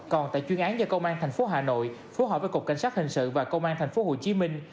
còn tại chuyên án do công an thành phố hà nội phối hợp với cục cảnh sát hình sự và công an thành phố hồ chí minh